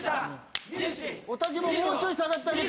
おたけももうちょい下がってあげて。